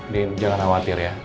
din jangan khawatir ya